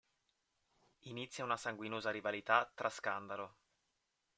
Inizia una sanguinosa rivalità tra Scandalo!